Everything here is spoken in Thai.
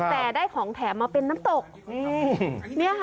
แต่ได้ของแถมมาเป็นน้ำตกเนี่ยค่ะ